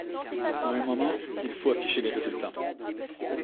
À un moment, il faut afficher les résultats.